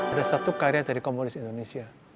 ada satu karya dari komunis indonesia